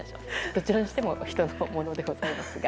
どちらにしても人のものでございますが。